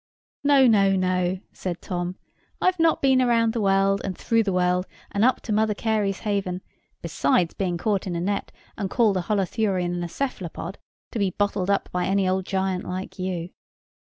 "No, no, no!" said Tom, "I've not been round the world, and through the world, and up to Mother Carey's haven, beside being caught in a net and called a Holothurian and a Cephalopod, to be bottled up by any old giant like you."